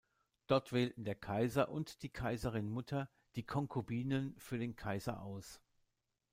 Dort wählten der Kaiser und die Kaiserinmutter die Konkubinen für den Kaiser aus.